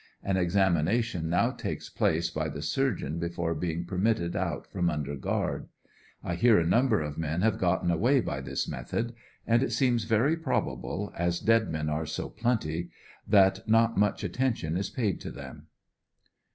An examination now takes place by the surgeon before being permitted out from under guard. 1 hear a number of men have gotten away by this method, and it seems very probable, as dead men are so plenty tliat not much attention is paid to them.